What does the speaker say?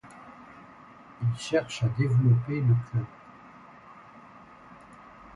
Ils cherchent à développer le club.